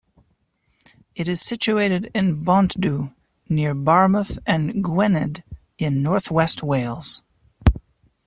It is situated in Bontddu, near Barmouth in Gwynedd in north-west Wales.